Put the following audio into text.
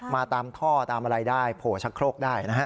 มาตามท่อตามอะไรได้โผล่ชะโครกได้นะฮะ